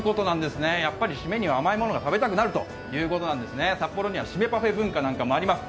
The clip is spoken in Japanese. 締めには甘いものが食べたくなるということですね札幌にはシメパフェ文化もあります。